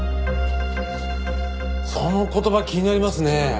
その言葉気になりますね。